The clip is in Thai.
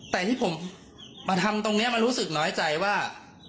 แต่ที่ผมมาทำตรงนี้มันรู้สึกน้อยใจว่า